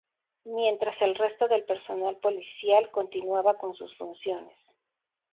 Mientras el resto del personal policial continuaba con sus funciones.